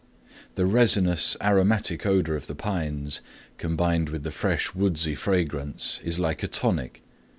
The resinous, aromatic odor of the pines, combined with the fresh woodsy fragrance, is like a tonic.